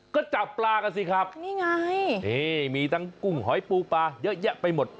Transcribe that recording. ก็จับปลากันสิครับนี่ไงนี่มีทั้งกุ้งหอยปูปลาเยอะแยะไปหมด